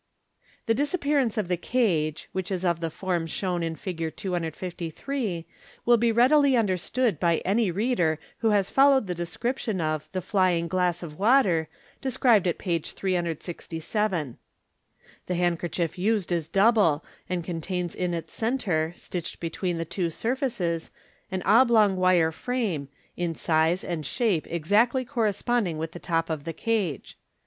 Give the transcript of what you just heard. The disappearance of the cage, which is of the form, shown in Fig. 253, will be readily understood by any reader who has followed MODERN MAGIC. 42; Fig. 254. the description of the "flying glass of water" described at page 367. The handkerchief used is double, and contains in its centre, stitched between the two surfaces, an oblong wire frame, in size and shape exactly corresponding with the top of the cage.